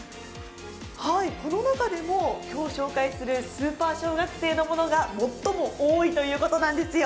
この中でも今日紹介するスーパー小学生のものが最も多いということなんですよ。